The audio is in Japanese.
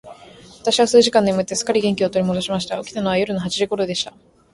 私は数時間眠って、すっかり元気を取り戻しました。起きたのは夜の八時頃でした。